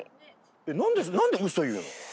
何で何で嘘言うの？